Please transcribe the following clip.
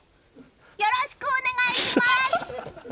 よろしくお願いします！